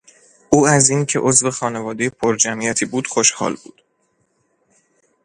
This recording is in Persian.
او از این که عضو خانوادهی پر جمعیتی بود خوشحال بود.